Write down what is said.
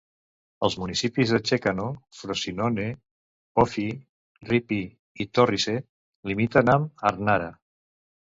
Els municipis de Ceccano, Frosinone, Pofi, Ripi i Torrice limiten amb Arnara.